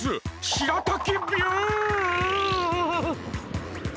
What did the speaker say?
しらたきビュン！